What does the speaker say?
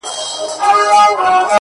خو دا لمر بيا په زوال د چا د ياد ;